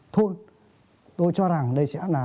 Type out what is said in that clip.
thôi tôi cho rằng đây sẽ là